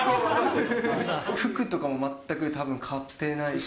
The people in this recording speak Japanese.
服とかも全くたぶん買ってないし。